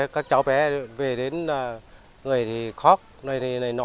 các cháu bé về đến người thì khóc này này nọ